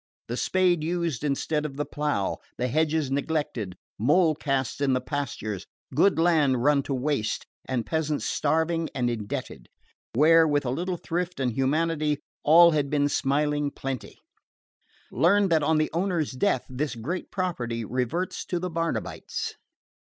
The spade used instead of the plough, the hedges neglected, mole casts in the pastures, good land run to waste, the peasants starving and indebted where, with a little thrift and humanity, all had been smiling plenty! Learned that on the owner's death this great property reverts to the Barnabites.